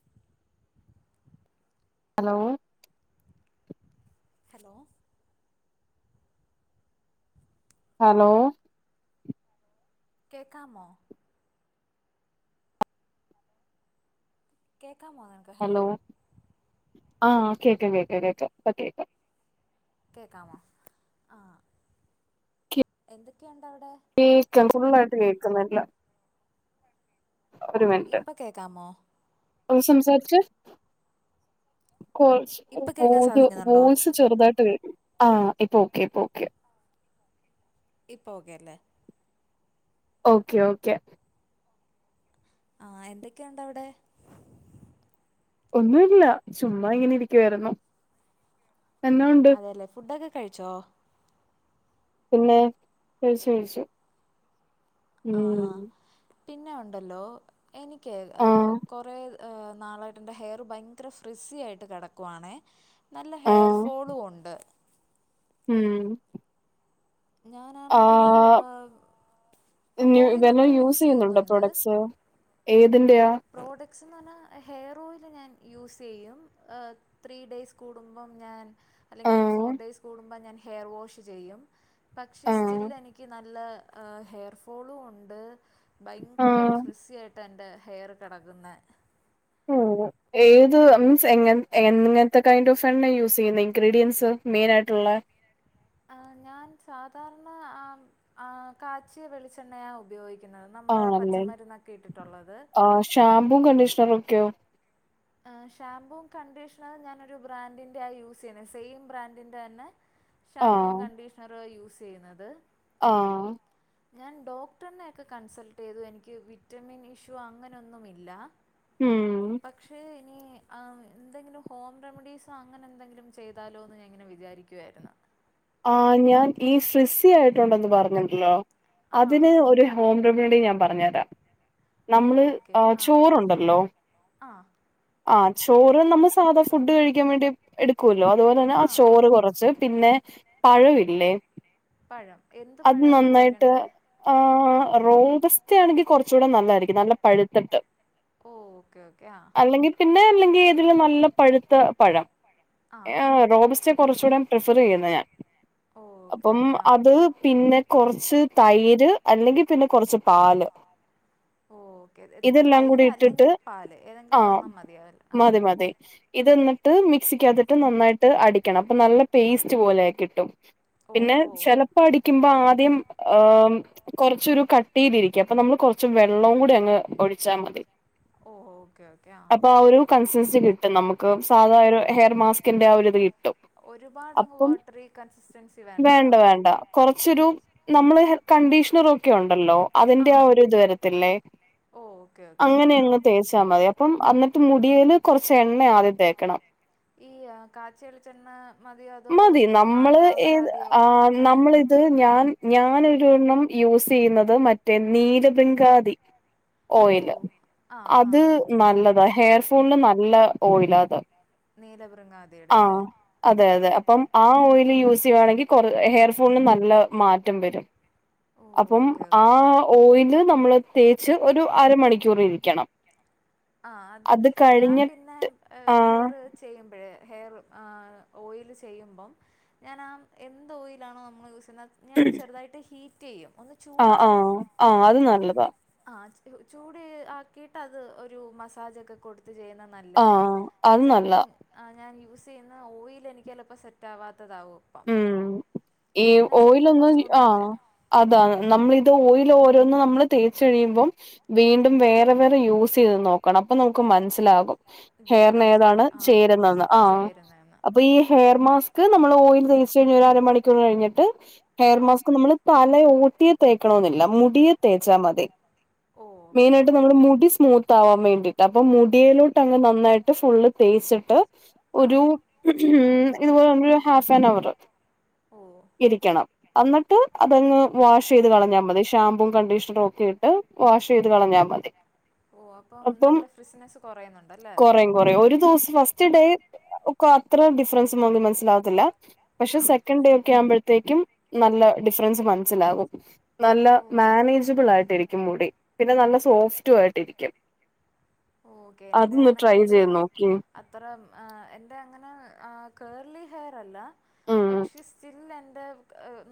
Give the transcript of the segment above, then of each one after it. [inaudible] hello hello hello കേക്കാമോ കേക്കാമോ hello ആഹ കേക്ക കേക്ക കേക്ക ഇപ്പ കേക്കാം കേൾക്കാമോ ആ എന്തൊക്കെയുണ്ടവിടെ കേൾക്കാം ഫുള്ള ആയിട്ട് കേൾക്കുന്നില്ല ഒരു മിനുറ്റ് സംസാരിച്ച [unintelligible] വോയ്‌സ് ചെറുതായിട്ട് കേക്കും ആ ഇപ്പ ഓക്കെ ഇപ്പ ഓക്കെ ഇപ്പോ ഓകെ അല്ലേ ഓക്കെ ഓക്കെ ആ എന്തൊക്കെയുണ്ടവിടെ ഒന്നുല്ല ചുമ്മാ ഇങ്ങനെ ഇരിക്കുവായിരുന്നു അതെല്ലെ ഫുഡൊക്കെ കഴിച്ചോ പിന്നെ കഴിച്ചു കഴിച്ചു ആഹാ പിന്നെ ഉണ്ടല്ലോ എനിക്ക് കൊറേ നാളായിട്ട് എൻ്റെ ഹെയർ ഭയങ്കര ഫ്രിസ്സിയായിട്ട് കെടക്കുവാണെ നല്ല ഹെയർ ഫോളും ഉണ്ട് ഉം ഞാനാണെങ്കിൽ ഇതെല്ലാം യൂസ് ചെയ്യുന്നുണ്ടോ പ്രോഡക്ട്സ് ഏതിന്റെയാ പ്രോഡക്റ്റ്സ് ന്ന് പറഞ്ഞാൽ ഹെയർ ഓയില് ഞാൻ യൂസ് ചെയ്യും ത്രീ ഡേയ്സ് കൂടുമ്പം ഞാൻ അല്ലെങ്കിൽ ഫോർ ഡേയ്സ് കൂടുമ്പം ഞാൻ ഹെയർ വാഷ് ചെയ്യും പക്ഷെ സ്റ്റില് എനിക്ക് നല്ല ഹെയർ ഫോളും ഉണ്ട് ഭയങ്കര ഫ്രെസ്സിയായിട്ടാ എൻ്റെ ഹെയർ കെടക്കുന്നേ ഏത് മീൻസ് എങ്ങനത്തെ കൈന്റ് ഓഫ് എണ്ണ യൂസ് പിന്നെ ഇൻഗ്രീഡിയൻസ് മെയിൻ ആയിട്ടുള്ളേ ഞാൻ സാധാരണ കാച്ചിയ വെളിച്ചെണ്ണയാ ഉപയോഗിക്കാ നമ്മുടെ പച്ചമരുന്നൊക്കെ ഇട്ടിട്ടുള്ളത് ഷാമ്പൂം കണ്ടീഷണറും ഒക്കെയോ ആഹ് ഷാമ്പൂം കണ്ടീഷണറും ഞാനൊരു ബ്രാൻഡിന്റാ യൂസ് ചെയ്യുന്നെ സെയിം ബ്രാൻഡിന്റന്നെ ഷാമ്പൂം കണ്ടീഷണറുവ യൂസെയ്യുന്നത് ആഹ് ഞാൻ ഡോക്ടർനെക്കെ കൺസൾട്ട് ചെയ്തു എനിക്ക് വിറ്റമിൻ ഇഷ്യൂ അങ്ങനൊന്നുമില്ല ഉം ക്ഷേ ഇനി ആ എന്തെങ്കിലും ഹോം റെമഡീസോ അങ്ങനെന്തെങ്കിലും ചെയ്താലോന്ന് ഞാങ്ങനെ വിചാരിക് ക്കുവാരുന്നു ആഹ് ഞാൻ ഈ ഫ്രിസി ആയിട്ടൊണ്ടെന്ന് പറഞ്ഞ്ണ്ടല്ലോ അതിന് ഒരു ഹോം റെമഡി ഞാൻ പറഞ്ഞു തരാം നമ്മള് ചോറൊണ്ടല്ലോ ആഹ് ചോറ് നമ്മൾ സാദാ ഫുഡ് കഴിക്കാൻ വേണ്ടി എടുക്കൂല്ലോ അതുപോലന്നെ ആ ചോറ് കൊറച്ച് പിന്നെ പഴവില്ലേ അത് നന്നായിട്ട് ആഹ് റോബസ്റ്റ ആണെങ്കി കൊറച്ചൂടെ നല്ലായിരിക്കും നല്ല പഴുത്തിട്ട് ഓ ഓക്കേ ഓ അല്ലെങ്കി പിന്നെ അല്ലെങ്കി ഏതേലും നല്ല പഴുത്ത പഴം റോബസ്റ്റെ കൊറച്ചൂടെ പ്രിഫർ ചെയ്യുന്നെ ഞാൻ അപ്പം അത് പിന്നെ കൊറച്ച് തൈര് അല്ലെങ്കി പിന്നെ കൊറച്ച് പാല് പാല് ഓക്കെ തെ എ തൈര് അല്ലെങ്കിൽ പാല് ഏതെങ്കിലും ഒരെണ്ണം മതിയാല്ലോ ആ ഇത് ന്നിട്ട് മിക്സിക്കാത്തിട്ട് നന്നായിട്ട് അടിക്കണം അപ്പ നല്ല പേസ്റ്റ് പോലായി കിട്ടും പിന്നെ ചെലപ്പാടിക്കുമ്പ ആദ്യം ഏഹ് കൊറച്ചൊരു കട്ടീലിരിക്കാ അപ്പൊ നമ്മള് കൊറച്ചൊരു വെള്ളോം കൂടിയങ്ങ് ഒഴിച്ചാ മതി ഓഹ് ഓക്കെ ഓക്കെ ആ കൺസിൻസി കിട്ടും നമുക്ക് സാധാ ഒരു ഹെയർ മാസ്കിൻ്റെ ആ ഒരിത് കിട്ടും ഒരുപാടങ്ങ് വാട്ടറി കൺസിസ്റ്റൻസി വേണ്ട വേണ്ട കൊറച്ചൊരു നമ്മള് ഹെ കണ്ടീഷണറൊക്കെ ഒണ്ടല്ലോ അതിന്റെ ആ ഒരിതു വരത്തില്ലേ അങ്ങനെ അങ്ങ് തേച്ചാ മതി പ്പം അന്നിട്ട് മുടിയില് കൊറച്ച് എണ്ണയാദ്യം തേക്കണം ഈ കാച്ചിയെളിച്ചെണ്ണ മതിയോതോ നമ്മള് ഏത് ആ നമ്മള് അത് ഞാൻ ഞാനൊരെണ്ണം യൂസെയ്യുന്നത് മറ്റേ നീലഭൃംഗാദി ഓയില്ല അത് നല്ലതാ ഹെയർ ഫോളിന് നല്ല ഓയിലാത് ആഹ് അതെയതെ അപ്പം ആ ഓയി യില് യൂസെയ്യവാണെങ്കി കൊറ ഹെയർ ഫോളിന് നല്ല മാറ്റം വരും അപ്പം ആ ഓയില് നമ്മള് തേച്ച് ഒരു അര മണിക്കൂറ് ഇരിക്കണം ആ അത് ഞാൻ പിന്നെ എഹ് ഹെയർ ചെയ്യുമ്പഴ് ഹെയർ ആ ഓയില് ചെയ്യുമ്പം ഞാനാ എന്തോയിലാണോ നമ്മള് യൂസ്യ്യന്ന ഞാൻ ചെറുതായിട്ട് ഹീറ്റെയ്യും ഒന്ന് ആഹ് ആഹ് ആഹ് അത് നല്ലതാ ആഹ് ചൂട് ആക്കീട്ട് അത് ഒരു മസാജൊക്കെ കൊടുത്ത് ചെയ്യുന്ന നല്ലയാ ചെലപ്പം ആ ഞാൻ യൂസ് ചെയ്യുന്ന ഓയിലെനിക്ക് ചെലപ്പോ സെറ്റാവാത്തതാവും അപ്പം ഉം ഈ ഓയിലൊന്നും ആഹ് അതാ നമ്മളിത് ഓയിൽ ഓരോന്ന് നമ്മള് തേച്ച കഴിയുമ്പം വീണ്ടും വേ വേറെ വേറെ യൂസെയ്ത് നോക്കണം അപ്പൊ നമുക്ക് മനസ്സിലാകും ഹെയറിന് ഏതാണ് ചേരുന്നതന് ആ അപ്പൊ ഈ ഹെയർ മാസ്ക് നമ്മൾ ഓയി തേച്ച് കഴിഞ്ഞ് ഒരു അരമണിക്കൂർ കഴിഞ്ഞിട്ട് ഹെയർ മാസ്ക് നമ്മൾ തല ഓട്ടി തേക്കണെന്നില്ല മുടി തേച്ചാ മതി മെയിനായിട്ട് നമ്മുള് മുടി സ്മൂ ത്താവാൻ വേണ്ടിട്ട് അപ്പൊ മുടയിലോട്ട് അങ്ങ് നന്നായിട്ട് ഫുള്ള് തേച്ചിട്ട് ഒരു ഇത് പോലെ തന്നൊരു ഹാഫ് അ ഇരിക്കണം അന്നിട്ട് അതങ്ങ് വാഷ് ചെയ്ത് കളഞ്ഞാമതി ഷാമ്പൂ കണ്ടീഷ്ണറും ഒക്കെ ഇ ട്ട് വാഷ് ചെയ്ത് കളഞ്ഞമതി അപ്പം കോറയും കൊറേം ഒരു ദിവസം ഫസ്റ്റ് ഡേ ഒക്കെ അത്ര ഡിഫറൻസ് ഒന്നും മനസിലാവത്തില്ല പക്ഷെ സെക്കൻഡ് ഡേ ഒക്കെ ആകുമ്പോഴത്തേക്കും നല്ല ഡിഫറൻസ് മനസ്സിലാകും നല്ല മാനേജബിൾ ആയിട്ടിരിക്കും മുടി പിന്നെ നല്ല സോഫ്റ്റുംആയിട്ടിരിക്കും അതൊന്ന് ട്രൈ ചെയ്ത് നോക്കിയേ അത്ര എന്റെ അങ്ങനെ ഏഹ് കേർലി ഹെയറല്ല പക്ഷെ സ്റ്റില് എൻ്റെ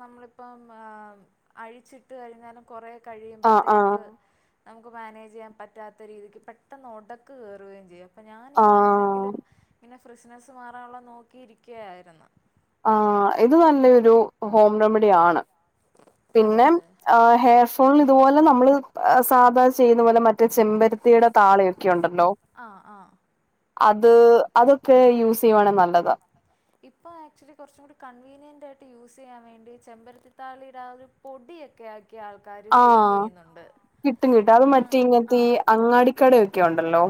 നമ്മളിപ്പം ആ അഴിച്ചി ഇട്ട് കഴിഞാലം കുറേ കഴിയുമ്പഴത്തേക്ക് നമുക്ക് മാനേജ് ചെയ്യാൻ പറ്റാത്ത രീതിക്ക് പ പെട്ടെന്ന് ഒടക്ക് കേയറുകയും ചെയ്യും അപ്പൊ ഞാനിങ്ങനെ എന്തെങ്കിലും പിന്നെ ഫ്രിസിനസ്സ് മാറാനുള്ളെ നോക്കിയിരിക്കുകയായിരുന്നു ആ ഇത് നല്ലൊരു ഹോം റെമിഡി ആണ് പിന്നെ ആ ഹെയർ ഫോള്ന് ഇതുപോലെ നമ്മൾ സാധാരണ ചെയ്യുന്ന പോലെ മറ്റ മറ്റെ ചെമ്പരുത്തിയുടെ താളി യൊക്കെ ഉണ്ടല്ലോ അത് അതൊക്കെ യൂസ് ചെയ്യുവാണെ നല്ലതാ ഇപ്പൊ ആക്ച്വലി കുറച്ചും കൂടി കൺവീനിയന്റ് ആയിട്ട് യൂസ് ചെയ്യാൻ വേണ്ടി ചെമ്പരത്തിത്താളി ടെ ആ ഒരു പൊടിയൊക്കെ ആക്കി ആൾ ആഹ് കിട്ടും കിട്ടും അത് മറ്റേ ഇങ്ങൻതെ അങ്ങാടിക്കടൊക്കെണ്ടല്ലോ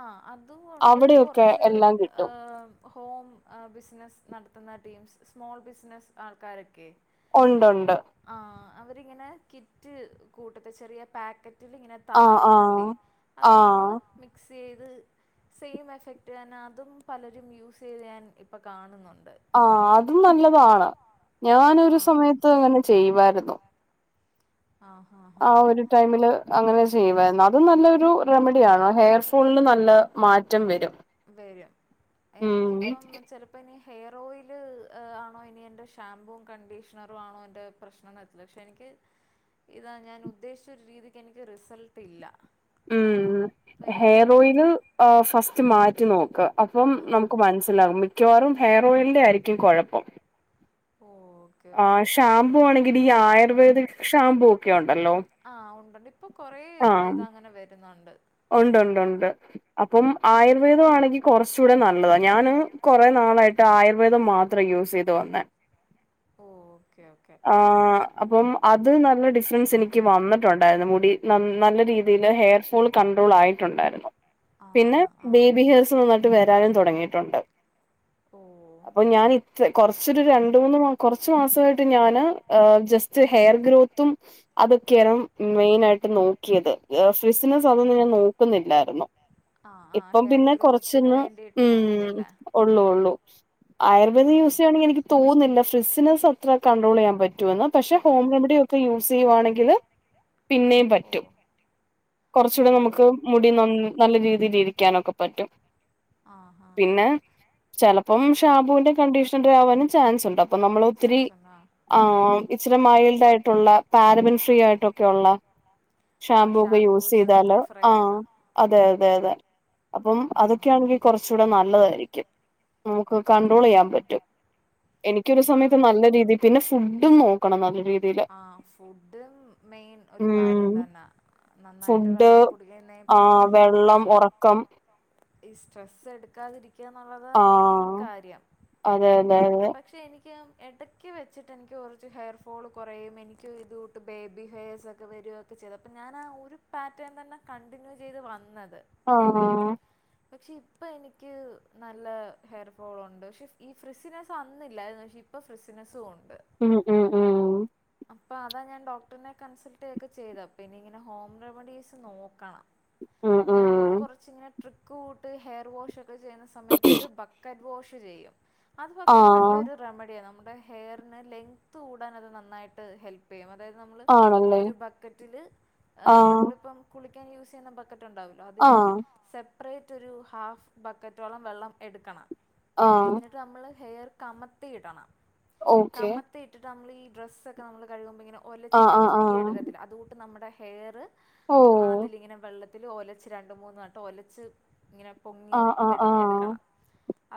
ആഹ് അതുംകൊണ്ട് കുറച്ച് ആം ഹോം ബിസിനസ്സ് നടത്തുന്ന ടീംസ് സ്മോൾ ബിസിനസ്സ് ആൾക്കാരൊക്കെ ഒണ്ട് ഒണ്ട് ആ അവരിങ്ങനെ കിറ്റ് കൂട്ടത്തെ ചെറിയ പാക്കറ്റിൽ ഇങ്ങനെ താളിപ്പൊടി അത് നമ്മൾ മിക്സ് ചെയ്ത് സെയിം എഫക്റ്റ് ന്നെ അതും പലരും യൂസ് ചെയ്ത് ഞാൻ ഇപ്പം കാണുന്നുണ്ട് ആ അതും നല്ലതാണ് ഞാനൊരു സമയത്ത് അങ്ങനെ ചെയ്യുവായിരുന്നു ആഹ് ഹ ഹ ടൈമിൽ അങ്ങനെ ചെയ്യുവാ അത് നല്ലെരു റെമഡിയാണ് ഹെയർ ഫോളിന് നല്ല മാറ്റം വരും എനിക്കിപ്പം ങ്ങ ഇപ്പോ ഇനി ഹെയർ ഓയില് ആണോ ഇനി എൻ്റെ ഷാംമ്പൂും കണ്ടീഷണറും ആണോ എൻ്റെ പ്രശ്നം ന പക്ഷെ എനിക്ക് ഇതാ ഞാൻ ഉദ്ദേശിച്ച ഒരു രീതിക്ക് എനിക്ക് റിസൾട്ട് ഇല്ല ഉം ഹെയർ ഓയില് അ ഫസ്റ്റ് മാറ്റി നോക്ക്‌ അപ്പം നമുക്ക് മനസ്സിലാകും മി ക്കവാറും ഹെയർ ഓയിലിന്റെ ആയിരിക്കും കുഴപ്പം ഓ ആഹ് ഷാമ്പൂ ആണെങ്കിൽ ഈ ആയുർവേദിക് ഷാമ്പൂ ഒക്കെ ഉണ്ടല്ലോ ആഹ് ഉണ്ട് ഇപ്പൊ കൊറേ ഇത്ങ്ങനെ വരുന്നുണ്ട് ഉണ്ട് ഉണ്ട് ഉണ്ട് അപ്പം ആയുർവേദമാണെങ്കി കുറച്ചുകൂടെ നല്ലതാ ഞാന് കുറെേ നാളായിട്ട് ആയുർവേദം മാത്ര യൂസ് ചെയ്തു വന്നെ ഓക്കെ ആഹ് അപ്പം അത് നല്ല ഡിഫ്റൻസ് എനിക്ക് വന്നിട്ടുണ്ടായിരുന്നു മുടി നം നല്ല രീതിയില് ഹെയർ ഫോൾ കൺട്രോൾ ആയിട്ടുണ്ടായിരുന്നു പിന്നെ ബേബി ഹേഴസ് നന്നിട്ട് വരാനും തുടങ്ങിയിട്ടുണ്ട് ഓഹ് അപ്പൊ ഞാൻ ഇത്ര കുറച്ചൊരു രണ്ട് മൂന്ന് മാ കൊർച് മാസായിട്ട് ഞാന് ജസ് റ്റ് ഹെയർ ഗ്രോത്തും അതൊക്കെയ മെയിനായിട്ട് നോ ക്കിയത് ഹെർ ഫിസിനസ് അതന്നും ഞാൻ നോക്കുന്നില്ല രുന്നു ഇപ്പം പിന്നെ കൊറച്ചന്ന് ഉം ഉള്ളൂ ഉള്ളൂ ആയുർവേദം യൂസെയ്യാണെങ്കി എനിക്ക് തോന്നുന്നില്ല ഫ്രിഡ്സിനസ ത്ര കണ്ട്രോളെയ്യാൻ പറ്റുമന്ന് പക്ഷെ ഹോം റെമഡിയൊക്കെ യൂസ് ചെയ്യുവാണെങ്കി പിന്നെയും പറ്റും ച്ചൂടെ നമുക്ക് മുടി ന നല്ല രീതിൽ ഇരിക്കാനൊക്കെ പറ്റും പിന്നെ ചിലപ്പം ഷാംമ്പുവിന്റെ കണ്ടീഷൻരെ ആവാനും ചാൻസ് ഉണ്ട് അപ്പൊ നമ്മൾ ഒത്തിരി ആഹ് ഇച്ചിരി മൈൽഡ് ആയിട്ടുള്ള പാരമിൻ ഫ്രീ ആയിട്ടൊക്കെ ഉള്ള ഷാംമ്പു ഒക്കെ യൂസ് ചെയ്താല് ആഹ് അതെ അതെ അതെ അപ്പം അതൊക്കെയാണെങ്കി കുറച്ചുകൂടെ നല്ലതായിരിക്കും നമുക്ക് കണ്ട്രോളെയ്യാൻ പറ്റും എനിക്ക് ഒരു സമയത്ത് നല്ല രീതി പിന്നെ ഫുഡും നോക്കണം നല്ല രീതി ആഹ് ഫുഡും മെയിൻ ഒരു കാര്യം തന്നാ നന്നായിട്ട് വെള്ളം കുടിക്ക പിന്നെ ഈ സ്ട്രെസ്സ് എടുക്കാതിരിക്ക എന്നുള്ളതാ കാര്യം അതെ അതെ അതെ പക്ഷേ എനിക്ക് എടക്ക് വെച്ചിട്ട് എനിക്ക് കുറച്ച് ഹെയർ ഫോൾ കുറയും എനിക്ക് ഇതു ബേബി ഹെയേഴ്സൊക്കെ വരുവൊക്കെ ചെയ്ത് അപ്പോ ഞാനാ ഒരു പാറ്റേൺ തന്നെ കണ്ടിന്യൂ ചെയ്ത് വന്നത് ആഹ് പക്ഷെ ഇപ്പൊ എനിക്ക് നല്ല ഹെയർ ഫോൾ ഉണ്ട് ക്ഷെ ഈ ഫ്രിസിനാ അന്നില്ലായിന്ന് പക്ഷേ ഇപ്പോൾ ഫെസിനസ്സും ഉണ്ട് ഉം ഉം അപ്പൊ അതാ ഞാൻ ഡോക്ടറിനെ കൺസൾട്ട് ഒക്കെ ചെയ്താ പിന്നനി ഇങ്ങനെ ഹോം റെമഡീസ് നോക്കണം ഞാൻ പിന്നെ കൊറച്ചങ്ങനെ ട്രിക്ക് കൂട്ട് ഹെയർ വാഷ് ക്കെ ചെയ്യുന്ന സമയത്ത് ബക്കറ്റ് വാഷ് ചെയ്യും അത് പക്ഷെ നല്ലൊരു റെമഡിയാ നമ്മുടെ ഹെയറിന് ലെങ്ത്ത് കൂടാൻ അത് നന്നായിട്ട് ഹെൽ പെയ്മതായത് നമ്മള് ഒരു ബക്കറ്റില് ആഹ് നമ്മളിപ്പം കുളിക്കാൻ യൂസ് ചെയ്യുന്ന ബക്കറ്റ് ഉണ്ടാവല്ലോ അതില് സെ പ്രേറ്റൊരു ഹാഫ് ബക്കറ്റോളം വെള്ളം എടുക്കണം ആഹ് നമ്മള് ഹെയർ കമത്തി ഇടണം കമത്തി ഇട്ടിട്ട് നമ്മൾ ഡ്രസ് ക്കെ നമ്മള് കഴുകുമ്പോ ഇങ്ങനെ ഒലച്ചിങ്ങനെ മുക്കിയെടുക്കത്തില്ല അതുകൂട്ട് നമ്മുടെ ഹെയറ് അതിലിങ്ങനെ വെള്ളത്തില് ഒലച്ച് രണ്ട് മൂന്ന് വട്ടം ഒലച്ച് ഇങ്ങനെ പൊങ്ങി എട് എടുക്കണം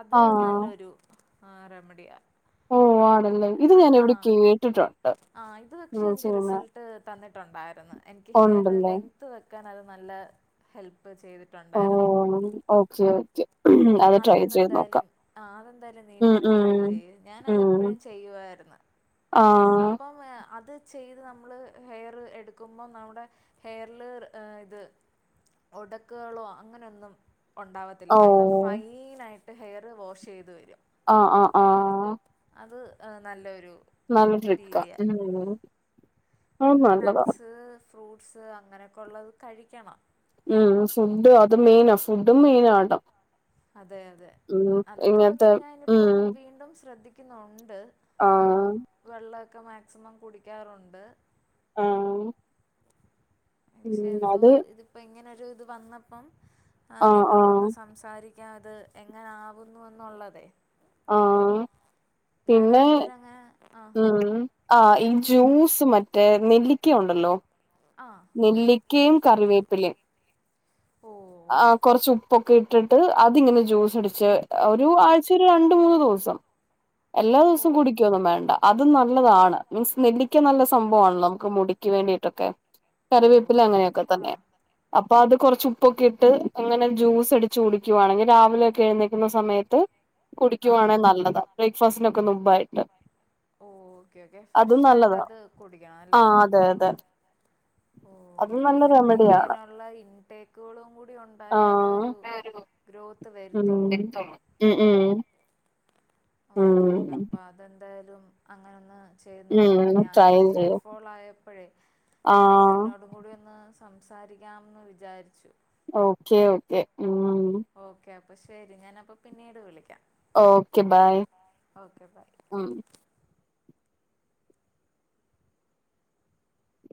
അത് നല്ലൊരു ആഹ് റെമഡിയാ ഓ ആണല്ലേ ഇത് ഞാൻ എവിടെയോ കേട്ടിട്ടുണ്ട് ആ ഇത് പക്ഷെ എനിക്ക് റിസൾ ട്ട് തന്നിട്ടുണ്ടായിരുന്ന് എനിക്ക് ഹെയർ ലെങ്ത്ത് വെക്കാൻ അത് നല്ല ഹെൽപ്പ് ചെയ്തി ഓ ഓക്കെ ഓക്കെ അതൊന്നെന്തായാലും അതെന്തായാലും നീയും കൂടി ട്രൈ ചെയ്യൂ ഞാാനതെപ്പൊഴും ചെയ്യുവാര്ന്ന് അപ്പം അത് ചെയ്ത് നമ്മള് ഹെയർ എടുക്കുംമ്പോ നമ്മുടെ ഹെയർല് ഇത് ഒടക്കുകളോ അങ്ങനൊന്നും ഒണ്ടാവത്തില്ല നല്ല ഫൈനായിട്ട് ഹെയർ വാഷൈയ്ത് വെരും ആ ആ ആ അത് നല്ലൊരു രീതിയ പിന്നെ നട്സ് ഫ്രൂട്ട്സ് അങ്ങനക്കൊള്ളത് കഴിക്കണം ഉം ഫുഡ് അത് മെയിനാ ഫുഡും മെയിനാട്ട അതെ അതെ അതൊക്കെ പക്ഷെ ഞാനിപ്പം വീണ്ടും ശ്രദ്ധിക്കുന്നൊണ്ട് ആ വെള്ളൊക്ക മാക്സിമം കുടിക്കാറൊണ്ട് ഉം പക്ഷെ എന്തോ ഇതിപ്പം ഇങ്ങനൊരു ഇത് വന്നപ്പം നിന്നോടൊന്ന് സംസാരി ക്കാത് എങ്ങനാവുന്നു എന്നൊള്ളതെ ആഹ് പിന്നെ ആ ആഹ് ഈ ജ്യൂസ് മറ്റേ നെല്ലിക്കൊണ്ടല്ലോ നെല്ലിക്കയും കറിവേപ്പിലേം ഓ കൊറച്ച് ഉപ്പൊക്കെ ഇട്ടിട്ട് അതിങ്ങനെ ജ്യൂസ് അടിച്ച് ഒരു ആഴ്ച ഒരു രണ്ട് മൂന്ന് ദെവസം എല്ലാ ദെവസവും കുടിക്കൊന്നും വേണ്ട അതും നല്ലതാണ് മീൻസ് നെല്ലി ക്ക നല്ല സംഭാണല്ലോ നമുക്ക് മുടിക്ക് വേണ്ടിട്ടൊക്കെ കറിവേപ്പില അങ്ങനെയൊക്കെ തന്നെ അപ്പൊ അത് കൊർച്ചു ഉപ്പൊക്കെ ഇട്ട് അങ്ങനെ ജ്യൂസ് അടിച്ച് കുടിക്കുവാണെങ്കിൽ രാവിലെയൊക്കെ എഴുന്നേക്കുന്ന സമയത്ത് കുടിക്കുവാണെ നല്ലതാ ബ്രേക്ക്ഫാസ്റ്റിനൊക്കെ നുമ്പായിട്ട് ഓക്കെ ഓക്കെ ഫ്രഷായിട്ട് അത് കുടിക്കണല്ലേ ഓക്കേ ഓക്കെ അപ്പൊ ഇങ്ങനൊള്ള ഇൻടേക്കുകളും കൂടി ഉണ്ടായാലെ ഒരു ഗ്രോത്ത് വര്ത്തൊള്ളൂ ഉം ഉം ഓക്കേ ഓക്കേ അപ്പ അതെന്തായാലും അങ്ങനൊന്ന് ചെയ്ത് നോക്കാം അപ്പ ഞാനിങ്ങനെ ഹെയർ ഫോൾ ആയപ്പഴേ അത് നിന്നോടും കൂടി ഒന്ന് സംസാരിക്കാംന്ന് വിചാരിച്ചു ഓക്കെ ഓക്കേ ഉം ഉം ഓക്കെ അപ്പൊ ശരി ഞാനപ്പ പിന്നീട് വിളിക്കാം ഓക്കെ ബൈ ഉം